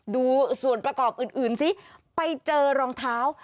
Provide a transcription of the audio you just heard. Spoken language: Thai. ดูส่วนประกอบอื่นซิไปเจอรองเท้า